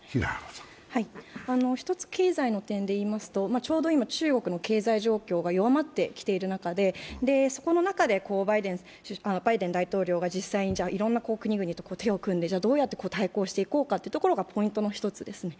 一つ経済の点でいいますと、ちょうど今中国の経済状況が弱まってきている中でそこの中でバイデン大統領が実際にいろんな国々と手を組んでじゃあどうやって対抗していこうかというところがポイントの１つですね。